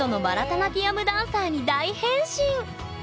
ナティヤムダンサーに大変身！